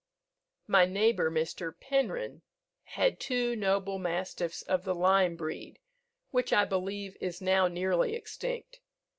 My neighbour, Mr. Penrhyn, has two noble mastiffs of the Lyme breed, which I believe is now nearly extinct.